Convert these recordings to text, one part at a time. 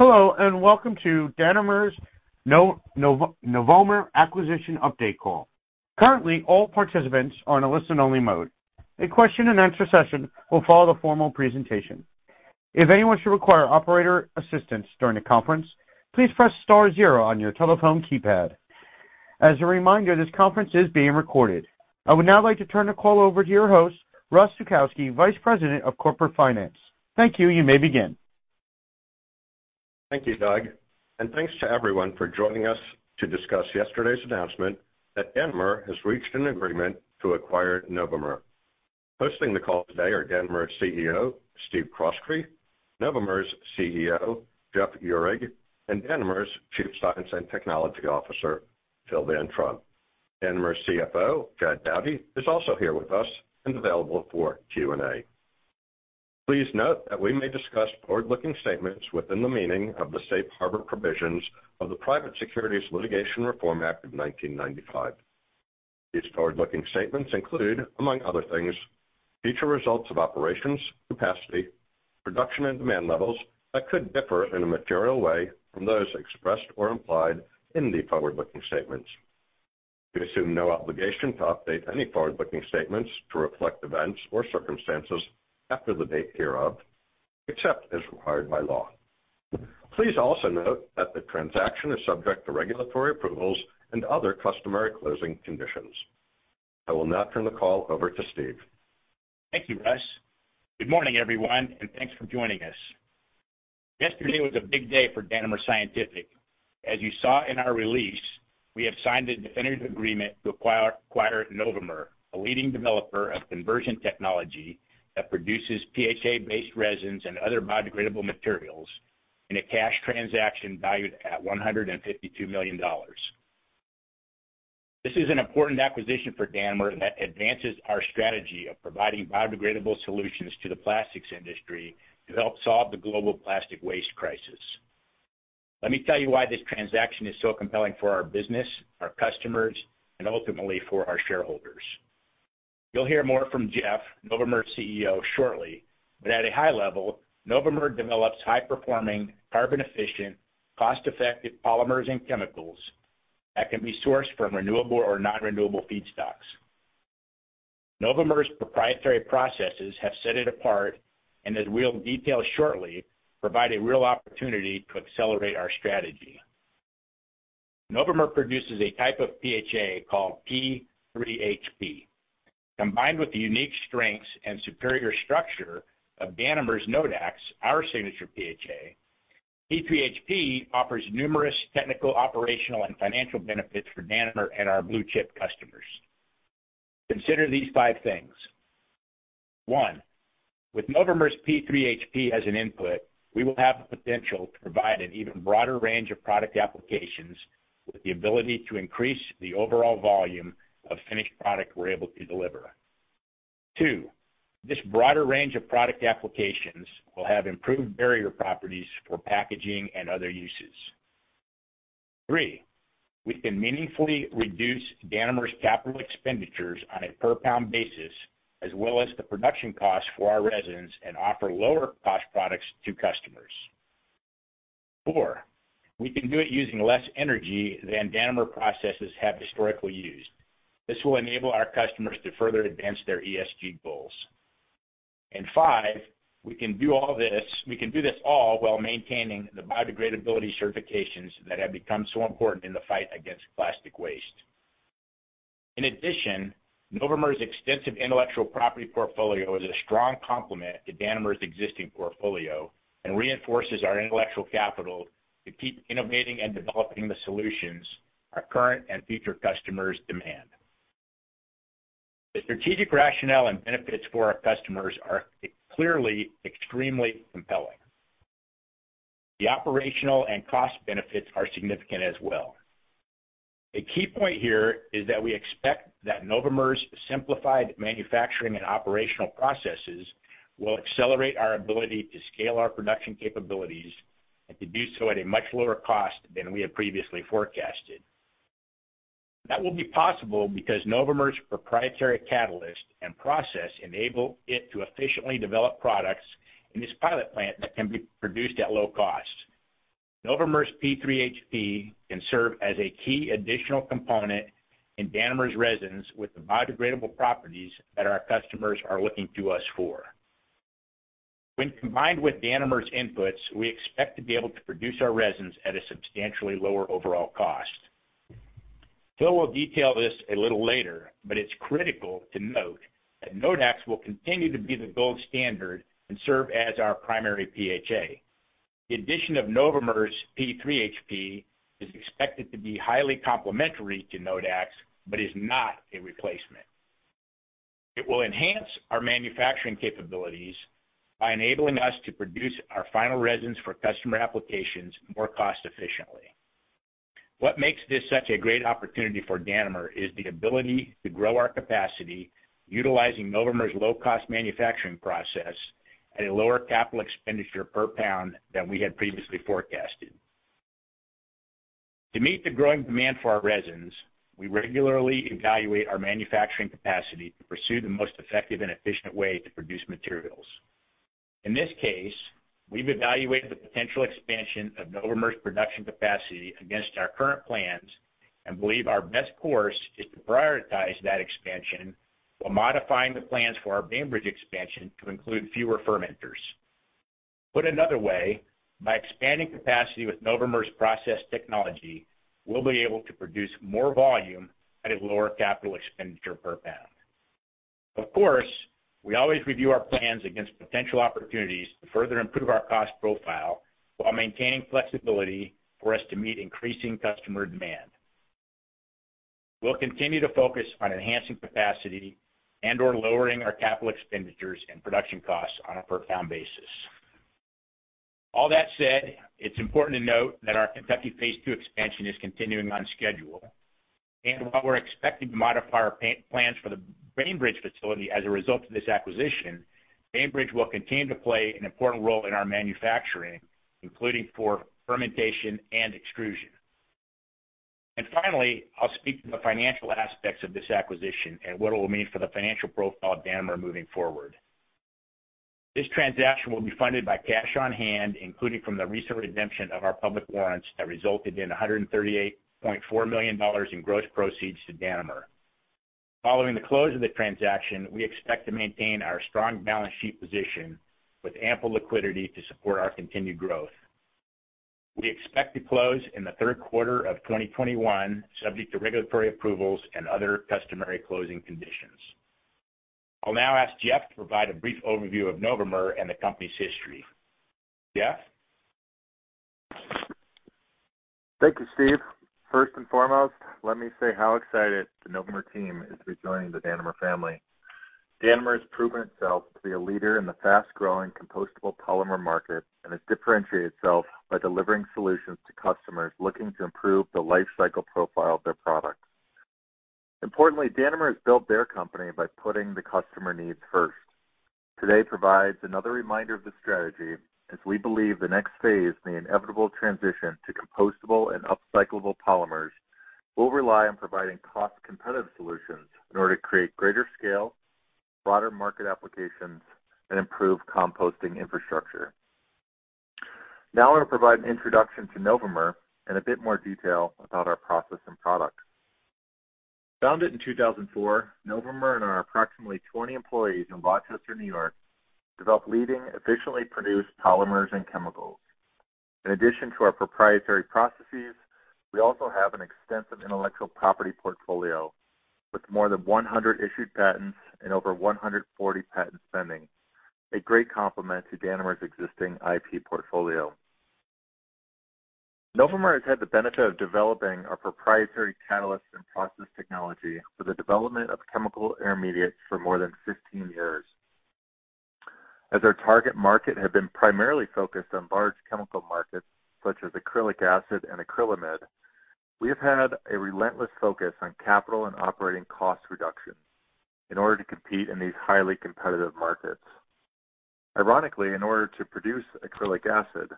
Hello, and welcome to Danimer's Novomer acquisition update call. Currently, all participants are on a listen-only mode. A question and answer session will follow the formal presentation. If anyone should require operator assistance during the conference, please press star zero on your telephone keypad. As a reminder, this conference is being recorded. I would now like to turn the call over to your host, Russ Zukowski, Vice President of Corporate Finance. Thank you. You may begin. Thank you, Doug, and thanks to everyone for joining us to discuss yesterday's announcement that Danimer has reached an agreement to acquire Novomer. Hosting the call today are Danimer's CEO, Steve Croskrey, Novomer's CEO, Jeff Uhrig, and Danimer's Chief Science and Technology Officer, Phil Van Trump. Danimer's CFO, Jad Dowdy, is also here with us and available for Q&A. Please note that we may discuss forward-looking statements within the meaning of the safe harbor provisions of the Private Securities Litigation Reform Act of 1995. These forward-looking statements include, among other things, future results of operations, capacity, production, and demand levels that could differ in a material way from those expressed or implied in the forward-looking statements. We assume no obligation to update any forward-looking statements to reflect events or circumstances after the date hereof, except as required by law. Please also note that the transaction is subject to regulatory approvals and other customary closing conditions. I will now turn the call over to Steve. Thank you, Russ. Good morning, everyone, and thanks for joining us. Yesterday was a big day for Danimer Scientific. As you saw in our release, we have signed a definitive agreement to acquire Novomer, a leading developer of conversion technology that produces PHA-based resins and other biodegradable materials in a cash transaction valued at $152 million. This is an important acquisition for Danimer that advances our strategy of providing biodegradable solutions to the plastics industry to help solve the global plastic waste crisis. Let me tell you why this transaction is so compelling for our business, our customers, and ultimately for our shareholders. You'll hear more from Jeff, Novomer's CEO, shortly, but at a high level, Novomer develops high-performing, carbon-efficient, cost-effective polymers and chemicals that can be sourced from renewable or non-renewable feedstocks. Novomer's proprietary processes have set it apart, and as we'll detail shortly, provide a real opportunity to accelerate our strategy. Novomer produces a type of PHA called p(3HP). Combined with the unique strengths and superior structure of Danimer's Nodax, our signature PHA, p(3HP) offers numerous technical, operational, and financial benefits for Danimer and our blue-chip customers. Consider these five things. One, with Novomer's p(3HP) as an input, we will have the potential to provide an even broader range of product applications with the ability to increase the overall volume of finished product we're able to deliver. Two, this broader range of product applications will have improved barrier properties for packaging and other uses. Three, we can meaningfully reduce Danimer's CapEx on a per-pound basis, as well as the production cost for our resins and offer lower-cost products to customers. 4, we can do it using less energy than Danimer processes have historically used. This will enable our customers to further advance their ESG goals. Five, we can do this all while maintaining the biodegradability certifications that have become so important in the fight against plastic waste. In addition, Novomer's extensive intellectual property portfolio is a strong complement to Danimer's existing portfolio and reinforces our intellectual capital to keep innovating and developing the solutions our current and future customers demand. The strategic rationale and benefits for our customers are clearly extremely compelling. The operational and cost benefits are significant as well. A key point here is that we expect that Novomer's simplified manufacturing and operational processes will accelerate our ability to scale our production capabilities and to do so at a much lower cost than we had previously forecasted. That will be possible because Novomer's proprietary catalyst and process enable it to efficiently develop products in this pilot plant that can be produced at low cost. Novomer's p(3HP) can serve as a key additional component in Danimer's resins with the biodegradable properties that our customers are looking to us for. When combined with Danimer's inputs, we expect to be able to produce our resins at a substantially lower overall cost. Phil will detail this a little later, but it's critical to note that Nodax will continue to be the gold standard and serve as our primary PHA. The addition of Novomer's p(3HP) is expected to be highly complementary to Nodax, but is not a replacement. It will enhance our manufacturing capabilities by enabling us to produce our final resins for customer applications more cost efficiently. What makes this such a great opportunity for Danimer is the ability to grow our capacity utilizing Novomer's low-cost manufacturing process at a lower capital expenditure per pound than we had previously forecasted. To meet the growing demand for our resins, we regularly evaluate our manufacturing capacity to pursue the most effective and efficient way to produce materials. In this case, we've evaluated the potential expansion of Novomer's production capacity against our current plans and believe our best course is to prioritize that expansion while modifying the plans for our Bainbridge expansion to include fewer fermenters. Put another way, by expanding capacity with Novomer's process technology, we'll be able to produce more volume at a lower capital expenditure per pound. Of course, we always review our plans against potential opportunities to further improve our cost profile while maintaining flexibility for us to meet increasing customer demand. We'll continue to focus on enhancing capacity and/or lowering our capital expenditures and production costs on a per pound basis. All that said, it's important to note that our Kentucky Phase II expansion is continuing on schedule. While we're expecting to modify our plans for the Bainbridge facility as a result of this acquisition, Bainbridge will continue to play an important role in our manufacturing, including for fermentation and extrusion. Finally, I'll speak to the financial aspects of this acquisition and what it will mean for the financial profile of Danimer moving forward. This transaction will be funded by cash on hand, including from the recent redemption of our public warrants that resulted in $138.4 million in gross proceeds to Danimer. Following the close of the transaction, we expect to maintain our strong balance sheet position with ample liquidity to support our continued growth. We expect to close in the third quarter of 2021, subject to regulatory approvals and other customary closing conditions. I'll now ask Jeff to provide a brief overview of Novomer and the company's history. Jeff? Thank you, Steve. First and foremost, let me say how excited the Novomer team is to be joining the Danimer family. Danimer has proven itself to be a leader in the fast-growing compostable polymer market and has differentiated itself by delivering solutions to customers looking to improve the life cycle profile of their products. Importantly, Danimer has built their company by putting the customer needs first. Today provides another reminder of the strategy, as we believe the next phase in the inevitable transition to compostable and upcyclable polymers will rely on providing cost-competitive solutions in order to create greater scale, broader market applications, and improve composting infrastructure. I want to provide an introduction to Novomer and a bit more detail about our process and product. Founded in 2004, Novomer and our approximately 20 employees in Rochester, New York, develop leading, efficiently produced polymers and chemicals. In addition to our proprietary processes, we also have an extensive intellectual property portfolio with more than 100 issued patents and over 140 patents pending, a great complement to Danimer Scientific's existing IP portfolio. Novomer has had the benefit of developing our proprietary catalysts and process technology for the development of chemical intermediates for more than 15 years. As our target market had been primarily focused on large chemical markets such as acrylic acid and acrylamide, we have had a relentless focus on capital and operating cost reduction in order to compete in these highly competitive markets. Ironically, in order to produce acrylic acid,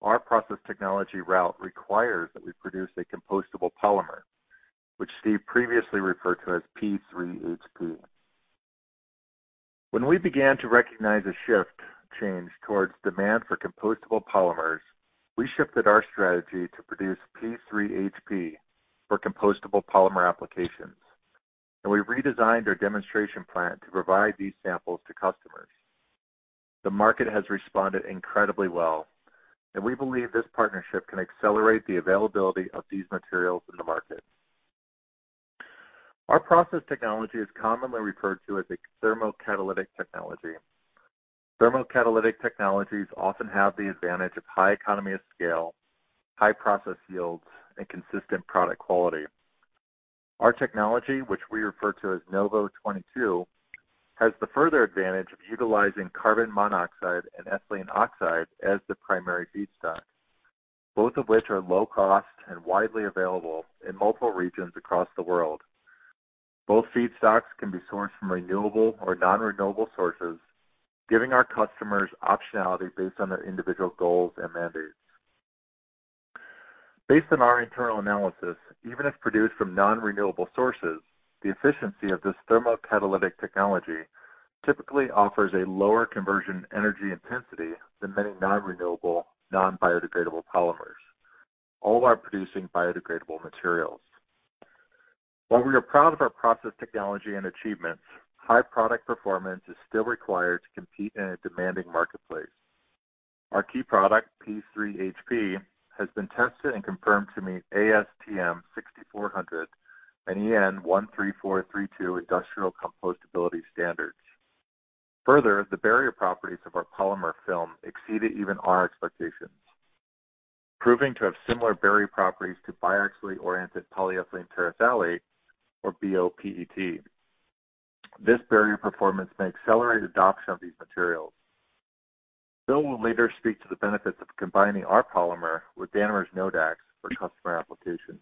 our process technology route requires that we produce a compostable polymer, which Steve previously referred to as p(3HP). When we began to recognize a shift change towards demand for compostable polymers, we shifted our strategy to produce p(3HP) for compostable polymer applications, and we redesigned our demonstration plant to provide these samples to customers. The market has responded incredibly well, and we believe this partnership can accelerate the availability of these materials in the market. Our process technology is commonly referred to as a thermocatalytic technology. Thermocatalytic technologies often have the advantage of high economy of scale, high process yields, and consistent product quality. Our technology, which we refer to as Novo22, has the further advantage of utilizing carbon monoxide and ethylene oxide as the primary feedstock, both of which are low cost and widely available in multiple regions across the world. Both feedstocks can be sourced from renewable or non-renewable sources, giving our customers optionality based on their individual goals and mandates. Based on our internal analysis, even if produced from non-renewable sources, the efficiency of this thermocatalytic technology typically offers a lower conversion energy intensity than many non-renewable, non-biodegradable polymers, all while producing biodegradable materials. While we are proud of our process technology and achievements, high product performance is still required to compete in a demanding marketplace. Our key product, p(3HP), has been tested and confirmed to meet ASTM D6400 and EN 13432 industrial compostability standards. Further, the barrier properties of our polymer film exceeded even our expectations, proving to have similar barrier properties to biaxially-oriented polyethylene terephthalate, or BOPET. This barrier performance may accelerate adoption of these materials. Phil will later speak to the benefits of combining our polymer with Danimer's Nodax for customer applications.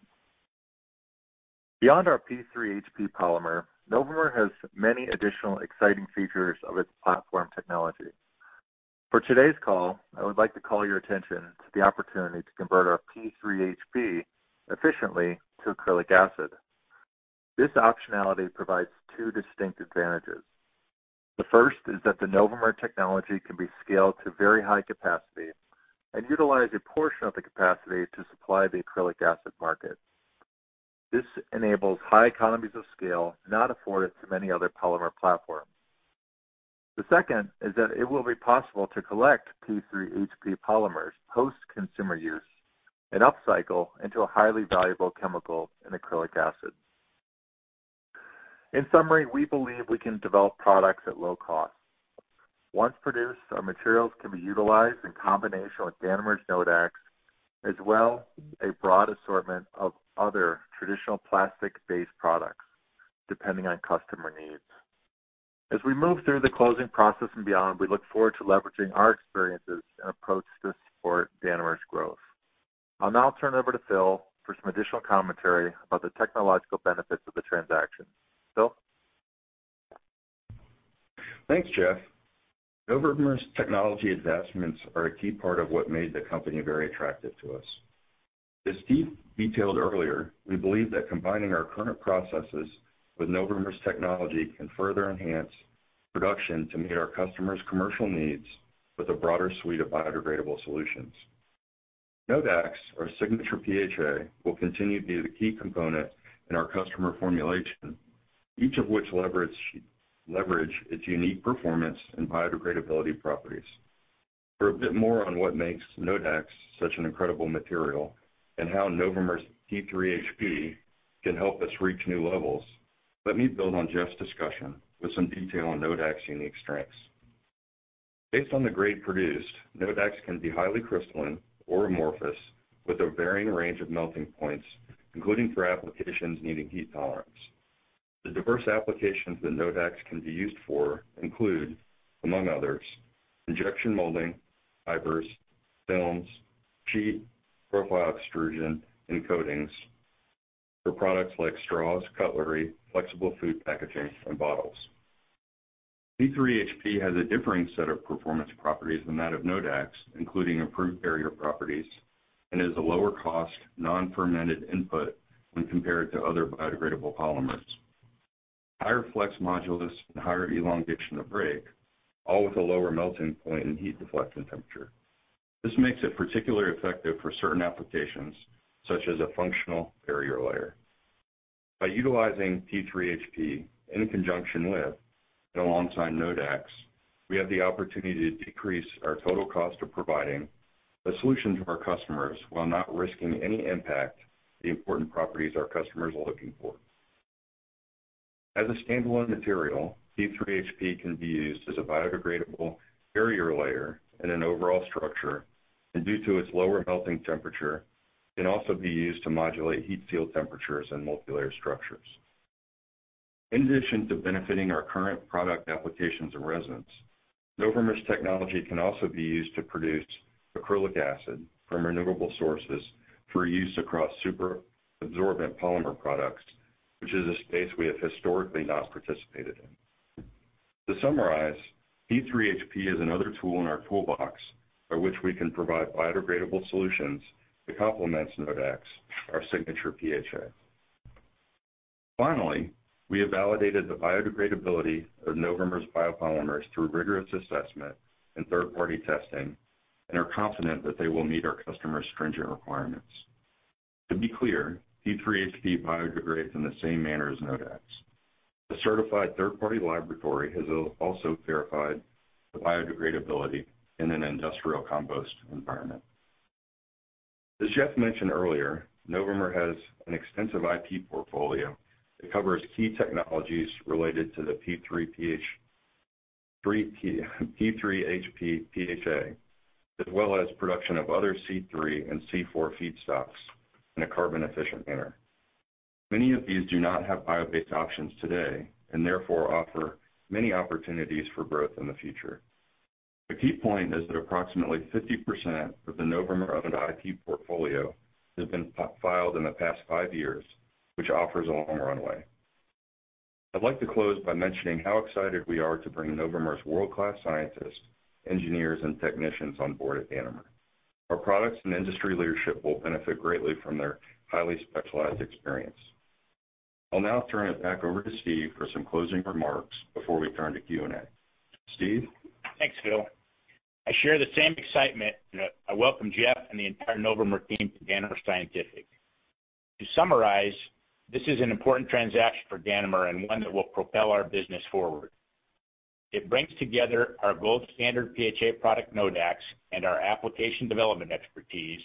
Beyond our p(3HP) polymer, Novomer has many additional exciting features of its platform technology. For today's call, I would like to call your attention to the opportunity to convert our p(3HP) efficiently to acrylic acid. This optionality provides two distinct advantages. The first is that the Novomer technology can be scaled to very high capacity and utilize a portion of the capacity to supply the acrylic acid market. This enables high economies of scale not afforded to many other polymer platforms. The second is that it will be possible to collect p(3HP) polymers post-consumer use and upcycle into a highly valuable chemical and acrylic acid. In summary, we believe we can develop products at low cost. Once produced, our materials can be utilized in combination with Danimer's Nodax, as well a broad assortment of other traditional plastic-based products, depending on customer needs. As we move through the closing process and beyond, we look forward to leveraging our experiences and approach to support Danimer's growth. I'll now turn it over to Phil for some additional commentary about the technological benefits of the transaction. Phil? Thanks, Jeff. Novomer's technology advancements are a key part of what made the company very attractive to us. As Steve detailed earlier, we believe that combining our current processes with Novomer's technology can further enhance production to meet our customers' commercial needs with a broader suite of biodegradable solutions. Nodax, our signature PHA, will continue to be the key component in our customer formulation, each of which leverage its unique performance and biodegradability properties. For a bit more on what makes Nodax such an incredible material and how Novomer's p(3HP) can help us reach new levels, let me build on Jeff's discussion with some detail on Nodax's unique strengths. Based on the grade produced, Nodax can be highly crystalline or amorphous with a varying range of melting points, including for applications needing heat tolerance. The diverse applications that Nodax can be used for include, among others, injection molding, fibers, films, sheet, profile extrusion, and coatings for products like straws, cutlery, flexible food packaging, and bottles. p(3HP) has a differing set of performance properties than that of Nodax, including improved barrier properties, and is a lower cost, non-fermented input when compared to other biodegradable polymers. Higher flex modulus and higher elongation to break, all with a lower melting point and heat deflection temperature. This makes it particularly effective for certain applications, such as a functional barrier layer. By utilizing p(3HP) in conjunction with and alongside Nodax, we have the opportunity to decrease our total cost of providing a solution to our customers while not risking any impact to the important properties our customers are looking for. As a standalone material, p(3HP) can be used as a biodegradable barrier layer in an overall structure, and due to its lower melting temperature, can also be used to modulate heat seal temperatures in multilayer structures. In addition to benefiting our current product applications and resins, Novomer's technology can also be used to produce acrylic acid from renewable sources for use across superabsorbent polymer products, which is a space we have historically not participated in. To summarize, p(3HP) is another tool in our toolbox by which we can provide biodegradable solutions to complement Nodax, our signature PHA. Finally, we have validated the biodegradability of Novomer's biopolymers through rigorous assessment and third-party testing, and are confident that they will meet our customers' stringent requirements. To be clear, p(3HP) biodegrades in the same manner as Nodax. A certified third-party laboratory has also verified the biodegradability in an industrial compost environment. As Jeff mentioned earlier, Novomer has an extensive IP portfolio that covers key technologies related to the p(3HP) PHA, as well as production of other C3 and C4 feedstocks in a carbon-efficient manner. Many of these do not have bio-based options today and therefore offer many opportunities for growth in the future. The key point is that approximately 50% of the Novomer IP portfolio has been filed in the past five years, which offers a long runway. I'd like to close by mentioning how excited we are to bring Novomer's world-class scientists, engineers, and technicians on board at Danimer. Our products and industry leadership will benefit greatly from their highly specialized experience. I'll now turn it back over to Steve for some closing remarks before we turn to Q&A. Steve? Thanks, Phil. I share the same excitement. I welcome Jeff and the entire Novomer team to Danimer Scientific. To summarize, this is an important transaction for Danimer and one that will propel our business forward. It brings together our gold standard PHA product, Nodax, and our application development expertise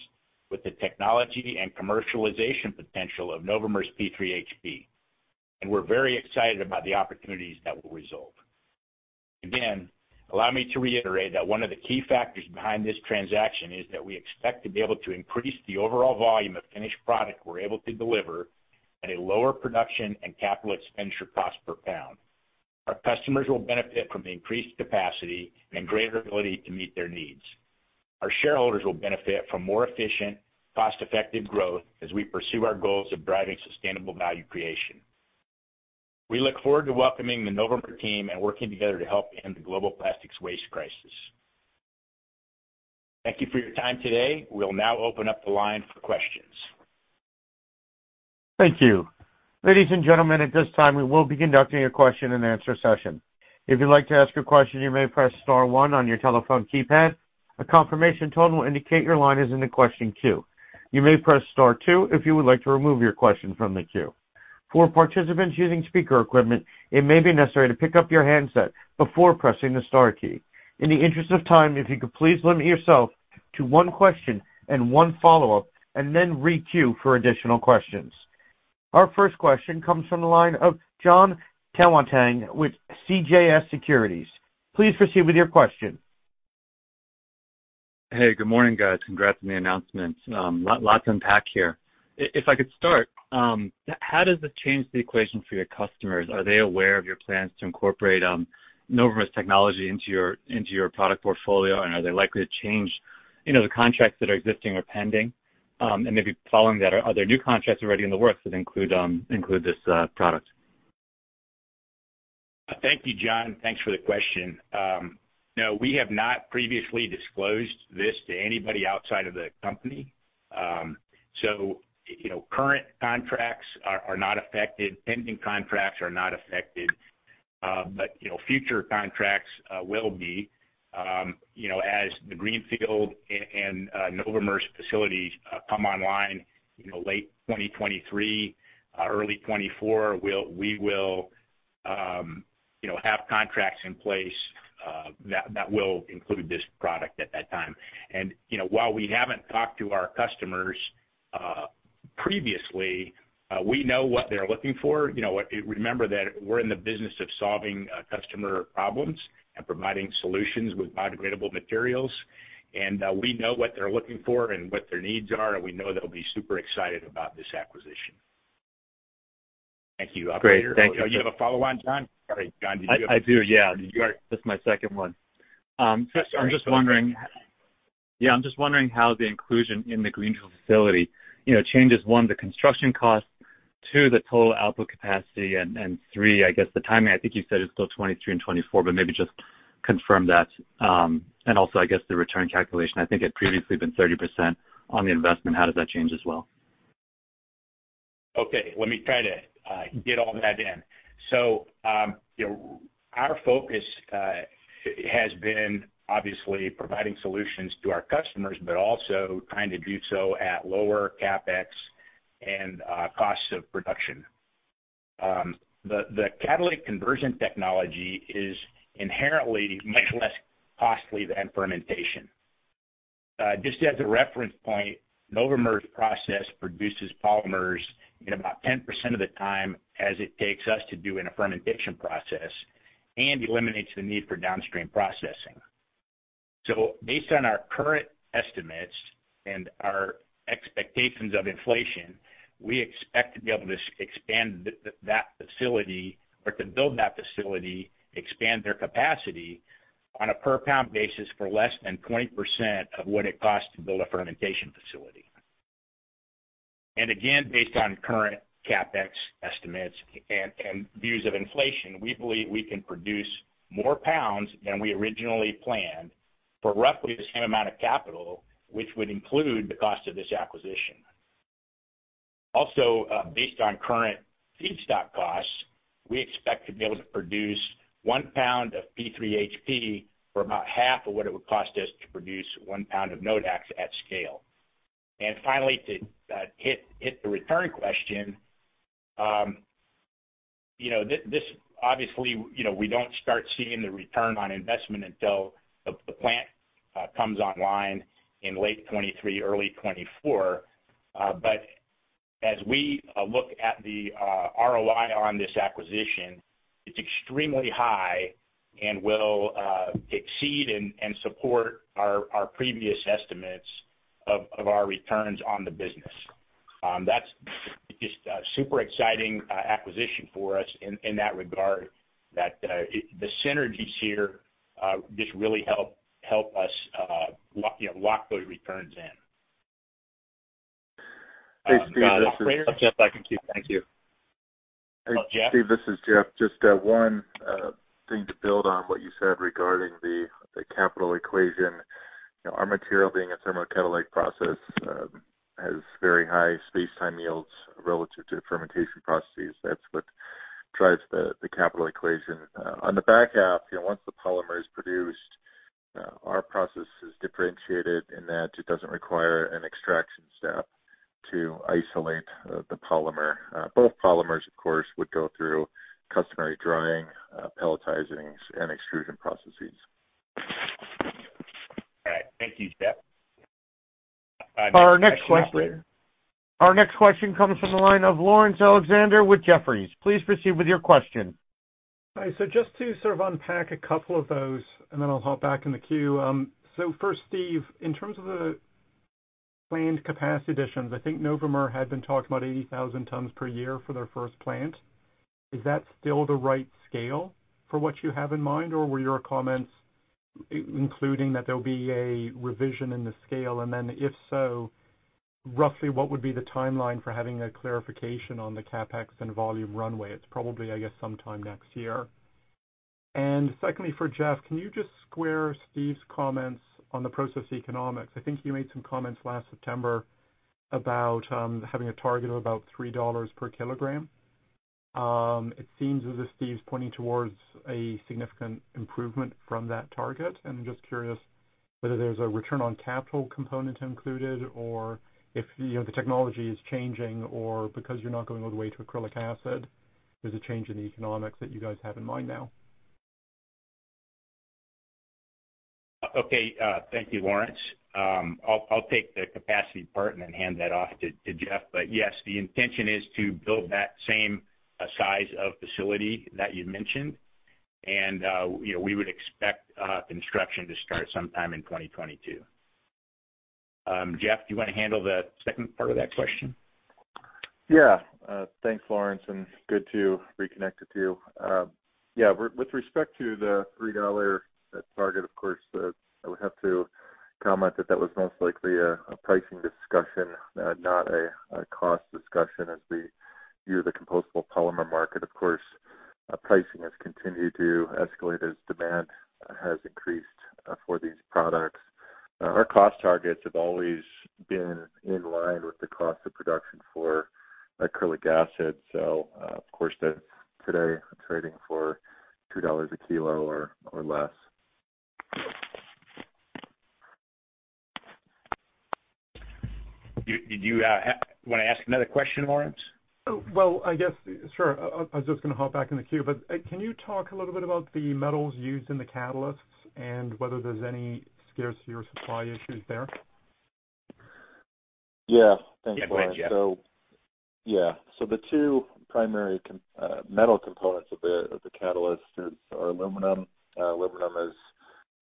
with the technology and commercialization potential of Novomer's p(3HP). We're very excited about the opportunities that will result. Again, allow me to reiterate that one of the key factors behind this transaction is that we expect to be able to increase the overall volume of finished product we're able to deliver at a lower production and capital expenditure cost per pound. Our customers will benefit from the increased capacity and greater ability to meet their needs. Our shareholders will benefit from more efficient, cost-effective growth as we pursue our goals of driving sustainable value creation. We look forward to welcoming the Novomer team and working together to help end the global plastics waste crisis. Thank you for your time today. We will now open up the line for questions. Thank you. Ladies and gentlemen, at this time, we will be conducting a question and answer session. If you'd like to ask a question, you may press star one on your telephone keypad. A confirmation tone will indicate your line is in the question queue. You may press star two if you would like to remove your question from the queue. For participants using speaker equipment, it may be necessary to pick up your handset before pressing the star key. In the interest of time, if you could please limit yourself to one question and one follow-up, and then re-queue for additional questions. Our first question comes from the line of Jon Tanwanteng with CJS Securities. Please proceed with your question. Hey, good morning, guys. Congrats on the announcement. Lot to unpack here. If I could start, how does it change the equation for your customers? Are they aware of your plans to incorporate Novomer's technology into your product portfolio, are they likely to change the contracts that are existing or pending? Maybe following that, are there new contracts already in the works that include this product? Thank you, Jon. Thanks for the question. No, we have not previously disclosed this to anybody outside of the company. Current contracts are not affected, pending contracts are not affected. Future contracts will be as the greenfield and Novomer's facilities come online late 2023, early 2024, we will have contracts in place that will include this product at that time. While we haven't talked to our customers previously, we know what they're looking for. Remember that we're in the business of solving customer problems and providing solutions with biodegradable materials, and we know what they're looking for and what their needs are, and we know they'll be super excited about this acquisition. Thank you. Great. Thank you. You have a follow-on, Jon? Sorry, Jon, did you have? I do, yeah. You are- This is my second one. Sorry. Go ahead. I'm just wondering how the inclusion in the greenfield facility changes, one, the construction cost, two, the total output capacity, and three, I guess the timing. I think you said it's still 2023 and 2024, but maybe just confirm that. Also, I guess the return calculation, I think it'd previously been 30% on the investment. How does that change as well? Okay, let me try to get all that in. Our focus has been obviously providing solutions to our customers, but also trying to do so at lower CapEx and costs of production. The catalytic conversion technology is inherently much less costly than fermentation. Just as a reference point, Novomer's process produces polymers in about 10% of the time as it takes us to do in a fermentation process and eliminates the need for downstream processing. Based on our current estimates and our expectations of inflation, we expect to be able to expand that facility or to build that facility, expand their capacity on a per pound basis for less than 20% of what it costs to build a fermentation facility. Again, based on current CapEx estimates and views of inflation, we believe we can produce more pounds than we originally planned for roughly the same amount of capital, which would include the cost of this acquisition. Also, based on current feedstock costs, we expect to be able to produce 1 pound of p(3HP) for about half of what it would cost us to produce 1 pound of Nodax at scale. Finally, to hit the return question, obviously, we don't start seeing the return on investment until the plant comes online in late 2023, early 2024. As we look at the ROI on this acquisition, it's extremely high and will exceed and support our previous estimates of our returns on the business. That's just a super exciting acquisition for us in that regard, that the synergies here just really help us lock those returns in. Thanks, Steve. I can get back to the queue. Jeff? Steve, this is Jeff. Just one thing to build on what you said regarding the capital equation. Our material being a thermocatalytic process has very high space-time yields relative to fermentation processes. That's what drives the capital equation. On the back half, once the polymer is produced, our process is differentiated in that it doesn't require an extraction step to isolate the polymer. Both polymers, of course, would go through customary drying, pelletizing, and extrusion processes. All right. Thank you, Jeff. Our next question comes from the line of Laurence Alexander with Jefferies. Please proceed with your question. Hi. Just to sort of unpack a couple of those, and then I'll hop back in the queue. First, Steve, in terms of the planned capacity additions. I think Novomer had been talking about 80,000 tons per year for their first plant. Is that still the right scale for what you have in mind, or were your comments including that there'll be a revision in the scale? If so, roughly what would be the timeline for having a clarification on the CapEx and volume runway? It's probably, I guess, sometime next year. Secondly, for Jeff, can you just square Steve's comments on the process economics? I think you made some comments last September about having a target of about $3 per kg. It seems as if Steve's pointing towards a significant improvement from that target, and just curious whether there's a return on capital component included or if the technology is changing or because you're not going all the way to acrylic acid, there's a change in the economics that you guys have in mind now. Okay. Thank you, Laurence. I'll take the capacity part and then hand that off to Jeff. Yes, the intention is to build that same size of facility that you mentioned. We would expect construction to start sometime in 2022. Jeff, do you want to handle the second part of that question? Yeah. Thanks, Laurence, and good to reconnect with you. With respect to the $3 target, of course, I would have to comment that that was most likely a pricing discussion, not a cost discussion as we view the compostable polymer market. Of course, pricing has continued to escalate as demand has increased for these products. Our cost targets have always been in line with the cost of production for acrylic acid. Of course, that's today trading for $2 a kilo or less. Do you want to ask another question, Laurence? Well, I guess, sure. I was just going to hop back in the queue. Can you talk a little bit about the metals used in the catalysts and whether there's any scarcity or supply issues there? Yeah. Thanks, Laurence. Yeah, go ahead, Jeff. The two primary metal components of the catalyst are aluminum. Aluminum is,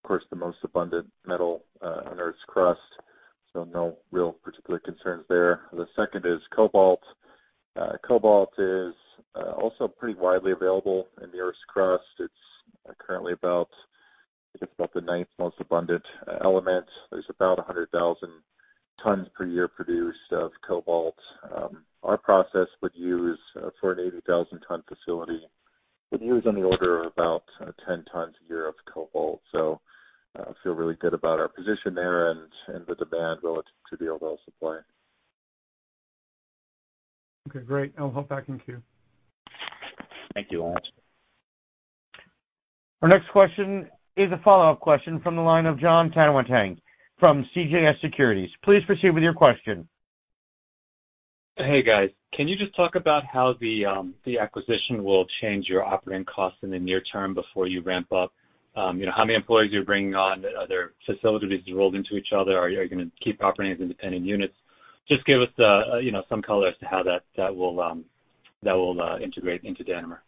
of course, the most abundant metal in Earth's crust, so no real particular concerns there. The second is cobalt. Cobalt is also pretty widely available in the Earth's crust. It's currently about the ninth most abundant element. There's about 100,000 tons per year produced of cobalt. Our process would use, for an 80,000 ton facility, would use on the order of about 10 tons a year of cobalt. I feel really good about our position there and with the demand relative to the overall supply. Okay, great. I'll hop back in the queue. Thank you, Laurence. Our next question is a follow-up question from the line of Jon Tanwanteng from CJS Securities. Please proceed with your question. Hey, guys. Can you just talk about how the acquisition will change your operating costs in the near term before you ramp up? How many employees you're bringing on? Are there facilities rolled into each other? Are you going to keep operating as independent units? Just give us some color as to how that will integrate into Danimer.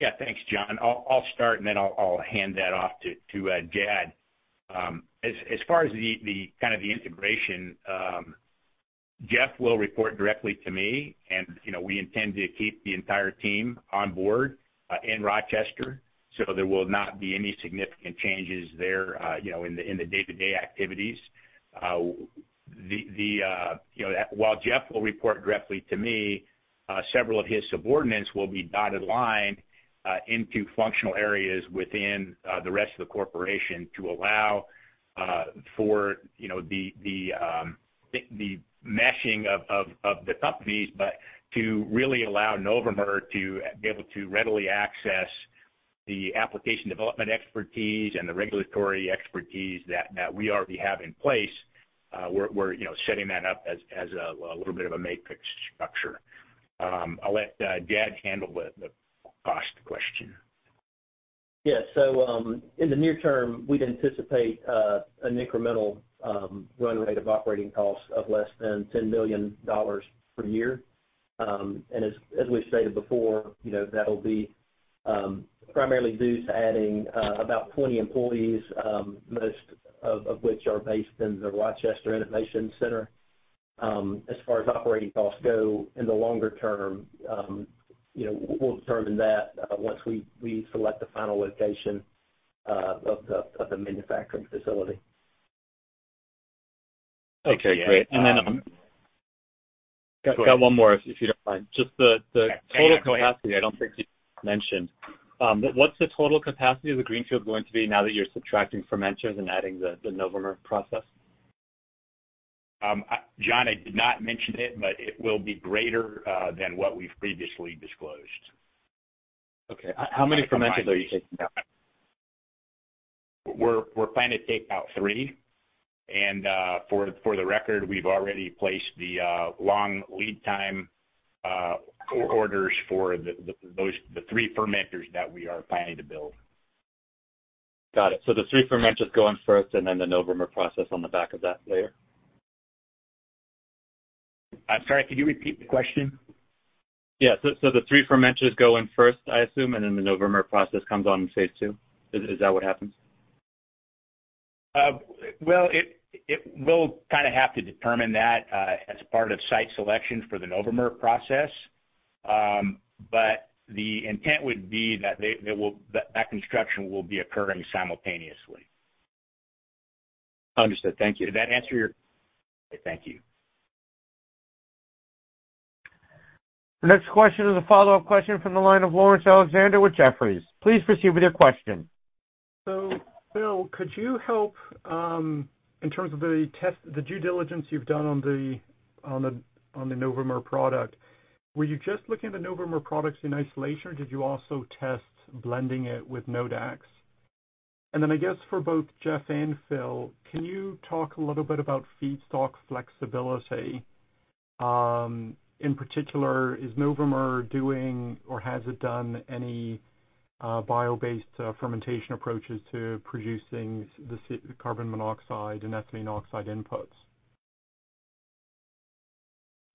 Yeah. Thanks, Jon. I'll start, and then I'll hand that off to Jad. As far as the integration, Jeff will report directly to me and we intend to keep the entire team on board in Rochester, so there will not be any significant changes there in the day-to-day activities. While Jeff will report directly to me, several of his subordinates will be dotted line into functional areas within the rest of the corporation to allow for the meshing of the companies, but to really allow Novomer to be able to readily access the application development expertise and the regulatory expertise that we already have in place. We're setting that up as a little bit of a matrix structure. I'll let Jad handle the cost question. Yeah. In the near term, we'd anticipate an incremental run rate of operating costs of less than $10 million per year. As we've stated before, that'll be primarily due to adding about 20 employees, most of which are based in the Rochester Innovation Center. As far as operating costs go in the longer term, we'll determine that once we select the final location of the manufacturing facility. Okay, great. I've got one more, if you don't mind. Yeah, go ahead. I don't think you mentioned. What's the total capacity of the greenfield going to be now that you're subtracting fermenters and adding the Novomer process? Jon, I did not mention it, but it will be greater than what we've previously disclosed. Okay. How many fermenters are you taking out? We're planning to take out three. For the record, we've already placed the long lead time orders for the three fermenters that we are planning to build. Got it. The three fermenters go in first, and then the Novomer process on the back of that layer? I'm sorry, could you repeat the question? Yeah. The three fermenters go in first, I assume, and then the Novomer process comes on in phase II. Is that what happens? We'll have to determine that as part of site selection for the Novomer process. The intent would be that that construction will be occurring simultaneously. Understood. Thank you. Okay, thank you. The next question is a follow-up question from the line of Laurence Alexander with Jefferies. Please proceed with your question. Phil, could you help in terms of the due diligence you've done on the Novomer product, were you just looking at the Novomer products in isolation or did you also test blending it with Nodax? I guess for both Jeff and Phil, can you talk a little bit about feedstock flexibility, in particular, is Novomer doing or has it done any bio-based fermentation approaches to producing the carbon monoxide and ethylene oxide inputs?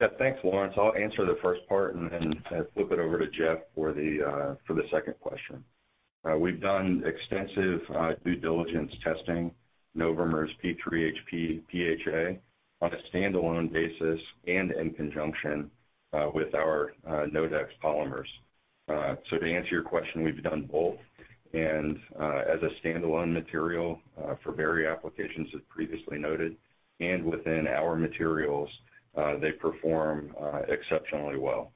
Yeah. Thanks, Laurence. I'll answer the first part and then flip it over to Jeff for the second question. We've done extensive due diligence testing Novomer's p(3HP) PHA on a standalone basis and in conjunction with our Nodax polymers. To answer your question, we've done both, and as a standalone material for various applications, as previously noted, and within our materials, they perform exceptionally well.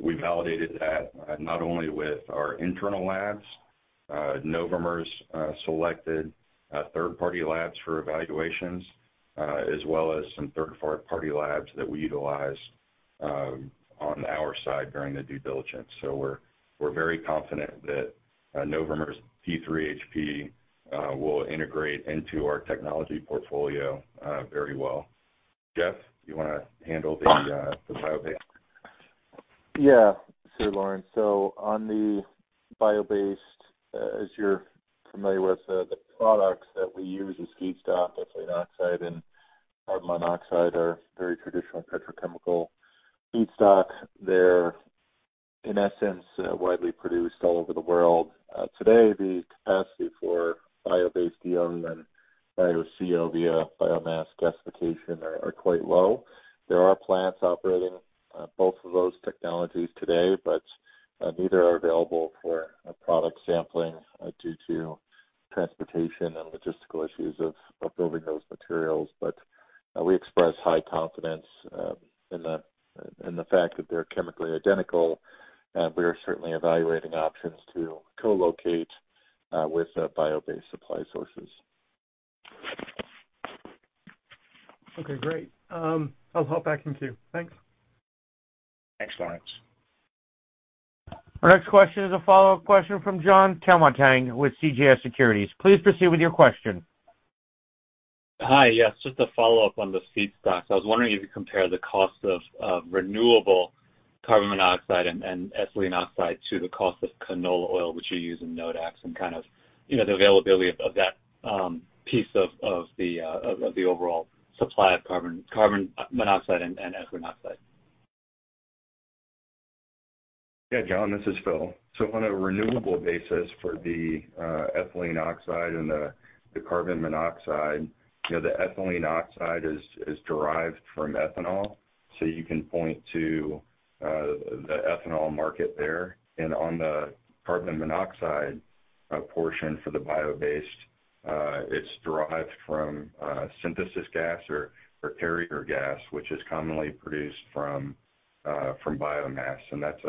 We validated that not only with our internal labs, Novomer's selected third-party labs for evaluations, as well as some third-party labs that we utilize on our side during the due diligence. We're very confident that Novomer's p(3HP) will integrate into our technology portfolio very well. Jeff, you want to handle the bio-based? Yeah. Sure, Laurence. On the bio-based, as you're familiar with, the products that we use as feedstock, ethylene oxide and carbon monoxide, are very traditional petrochemical feedstock. They're, in essence, widely produced all over the world. Today, the capacity for bio-based EO and bio CO via biomass gasification are quite low. There are plants operating both of those technologies today, neither are available for product sampling due to transportation and logistical issues of handling those materials. We express high confidence in the fact that they're chemically identical. We are certainly evaluating options to co-locate with bio-based supply sources. Okay, great. I'll hop back in queue. Thanks. Thanks, Laurence. Our next question is a follow-up question from Jon Tanwanteng with CJS Securities. Please proceed with your question. Hi. Yes, just a follow-up on the feedstocks. I was wondering if you compare the cost of renewable carbon monoxide and ethylene oxide to the cost of canola oil, which you use in Nodax, and the availability of that piece of the overall supply of carbon monoxide and ethylene oxide. Yeah, Jon, this is Phil. On a renewable basis for the ethylene oxide and the carbon monoxide, the ethylene oxide is derived from ethanol, so you can point to the ethanol market there. On the carbon monoxide portion for the bio-based, it's derived from synthesis gas or carrier gas, which is commonly produced from biomass, and that's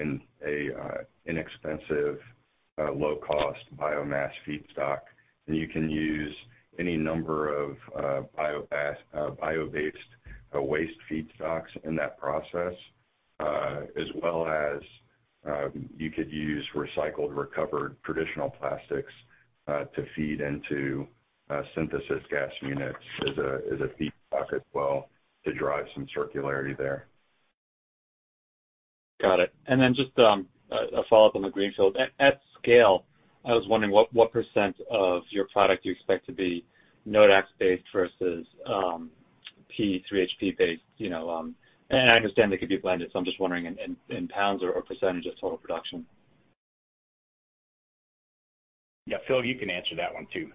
an inexpensive, low-cost biomass feedstock. You can use any number of bio-based waste feedstocks in that process, as well as you could use recycled, recovered traditional plastics to feed into synthesis gas units as a feedstock as well to drive some circularity there. Got it. Just a follow-up on the greenfield. At scale, I was wondering what % of your product you expect to be Nodax based versus p(3HP) based. I understand they could be blended, so I'm just wondering in pounds or percentage of total production. Yeah, Phil, you can answer that one too.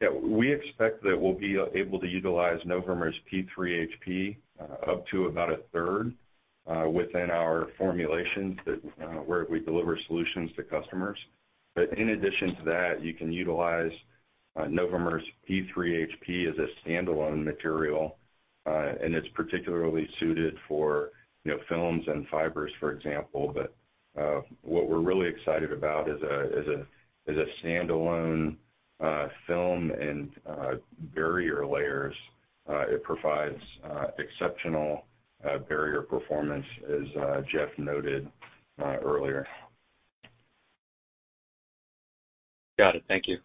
Yeah. We expect that we'll be able to utilize Novomer's p(3HP) up to about a third within our formulations where we deliver solutions to customers. In addition to that, you can utilize Novomer's p(3HP) as a standalone material, and it's particularly suited for films and fibers, for example. What we're really excited about is a standalone film and barrier layers. It provides exceptional barrier performance, as Jeff noted earlier. Got it. Thank you.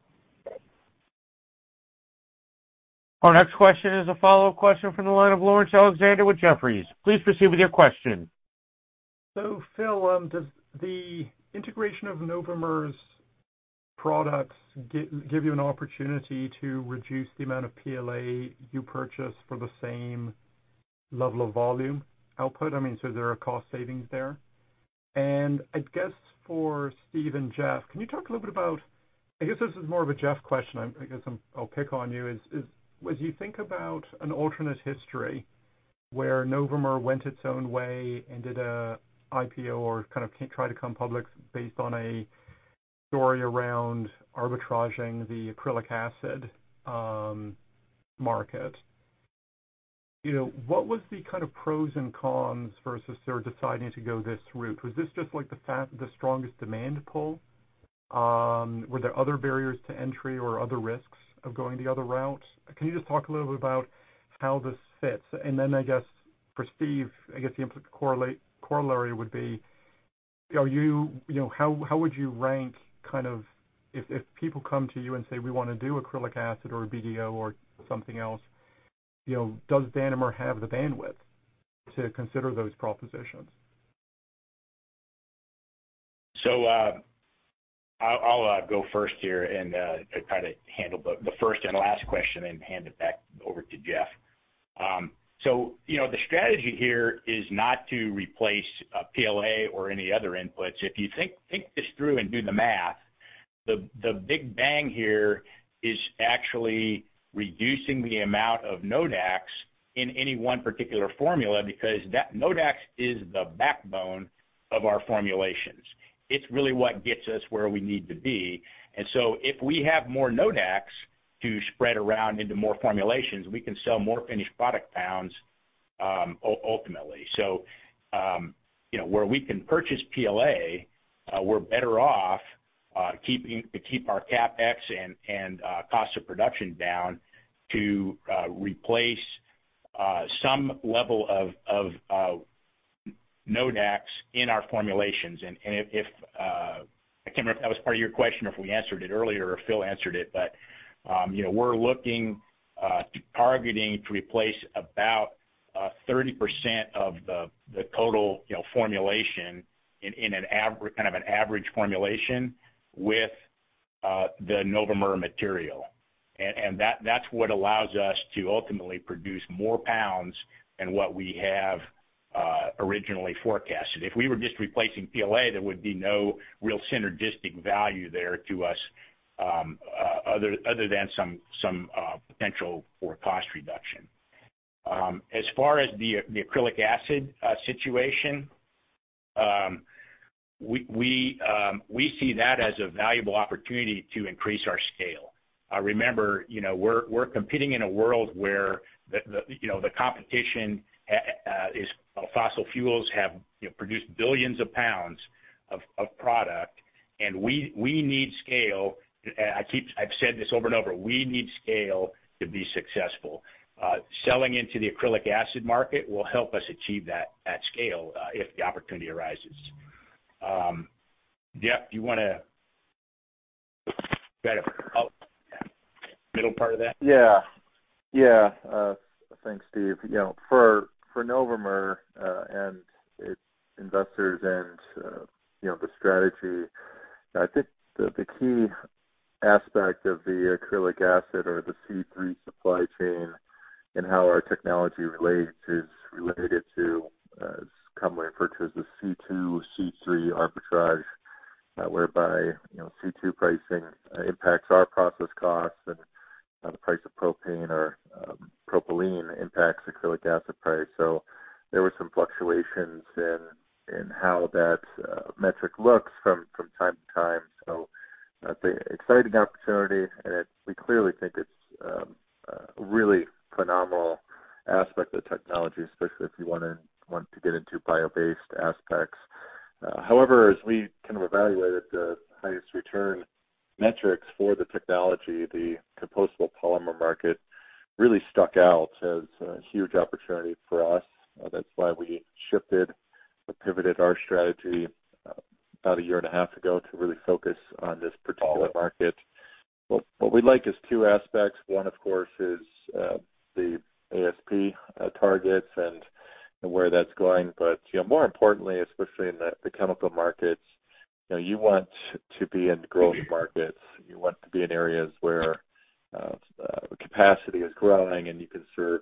Our next question is a follow-up question from the line of Laurence Alexander with Jefferies. Please proceed with your question. Phil, does the integration of Novomer's products give you an opportunity to reduce the amount of PLA you purchase for the same level of volume output? I mean, so there are cost savings there? I guess for Steve and Jeff, can you talk a little bit about, I guess this is more of a Jeff question, I guess I'll pick on you is, as you think about an alternate history where Novomer went its own way and did a IPO or kind of tried to come public based on a story around arbitraging the acrylic acid market. What was the kind of pros and cons versus their deciding to go this route? Was this just like the strongest demand pull? Were there other barriers to entry or other risks of going the other route? Can you just talk a little bit about how this fits? I guess for Steve, I guess the corollary would be, how would you rank, if people come to you and say, "We want to do acrylic acid or BDO or something else," does Danimer have the bandwidth to consider those propositions? I'll go first here and try to handle the first and last question and hand it back over to Jeff. The strategy here is not to replace PLA or any other inputs. If you think this through and do the math, the big bang here is actually reducing the amount of Nodax in any one particular formula, because Nodax is the backbone of our formulations. It's really what gets us where we need to be. If we have more Nodax to spread around into more formulations, we can sell more finished product pounds, ultimately. Where we can purchase PLA, we're better off to keep our CapEx and cost of production down to replace some level of Nodax in our formulations. I can't remember if that was part of your question or if we answered it earlier or if Phil answered it, but we're looking to targeting to replace about 30% of the total formulation in an average kind of an average formulation with the Novomer material. That's what allows us to ultimately produce more pounds than what we have originally forecasted. If we were just replacing PLA, there would be no real synergistic value there to us, other than some potential for cost reduction. As far as the acrylic acid situation, we see that as a valuable opportunity to increase our scale. Remember, we're competing in a world where the competition is fossil fuels have produced billions of pounds of product, and we need scale. I've said this over and over, we need scale to be successful. Selling into the acrylic acid market will help us achieve that scale, if the opportunity arises. Jeff, do you want to go ahead? Middle part of that? Thanks, Steve. For Novomer, and its investors and the strategy, I think the key aspect of the acrylic acid or the C3 supply chain and how our technology relates is related to, as commonly referred to as the C2, C3 arbitrage, whereby C2 pricing impacts our process costs and the price of propane or propylene impacts acrylic acid price. There were some fluctuations in how that metric looks from time to time. It's an exciting opportunity, and we clearly think it's a really phenomenal aspect of the technology, especially if you want to get into bio-based aspects. However, as we kind of evaluated the highest return metrics for the technology, the compostable polymer market really stuck out as a huge opportunity for us. That's why we shifted or pivoted our strategy about 1.5 years ago to really focus on this particular market. What we like is two aspects. One, of course, is the ASP targets and where that's going. More importantly, especially in the chemical markets, you want to be in growth markets. You want to be in areas where capacity is growing, and you can serve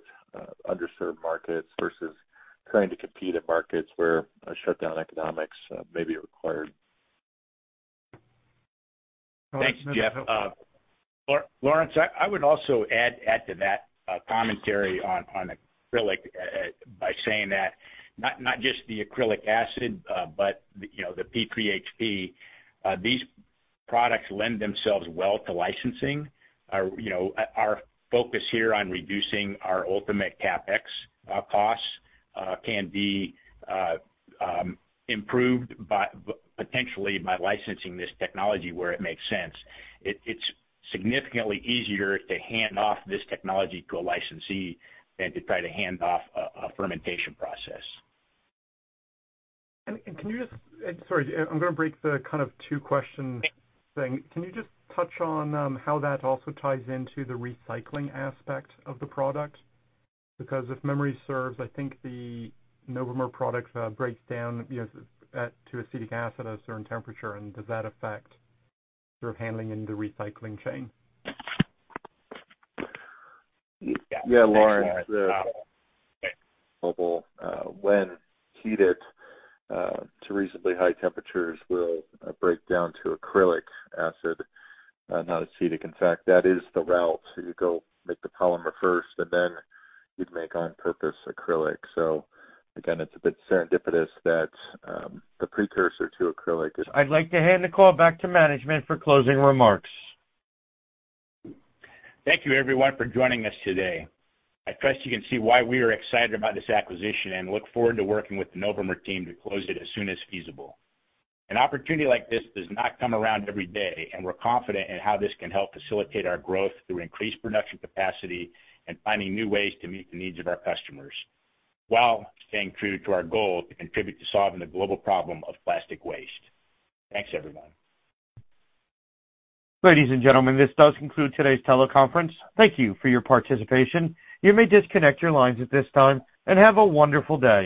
underserved markets versus trying to compete in markets where shutdown economics may be required. Thanks, Jeff. Laurence, I would also add to that commentary on acrylic by saying that not just the acrylic acid, but the p(3HP), these products lend themselves well to licensing. Our focus here on reducing our ultimate CapEx costs can be improved potentially by licensing this technology where it makes sense. It's significantly easier to hand off this technology to a licensee than to try to hand off a fermentation process. Sorry, I'm going to break the kind of two question thing. Can you just touch on how that also ties into the recycling aspect of the product? If memory serves, I think the Novomer product breaks down to acrylic acid at a certain temperature, and does that affect sort of handling in the recycling chain? Laurence. When heated to reasonably high temperatures will break down to acrylic acid, not acetic. In fact, that is the route. You go make the polymer first, and then you'd make on-purpose acrylic. Again, it's a bit serendipitous that the precursor to acrylic is- I'd like to hand the call back to management for closing remarks. Thank you everyone for joining us today. I trust you can see why we are excited about this acquisition and look forward to working with the Novomer team to close it as soon as feasible. An opportunity like this does not come around every day, and we're confident in how this can help facilitate our growth through increased production capacity and finding new ways to meet the needs of our customers while staying true to our goal to contribute to solving the global problem of plastic waste. Thanks, everyone. Ladies and gentlemen, this does conclude today's teleconference. Thank you for your participation. You may disconnect your lines at this time, and have a wonderful day.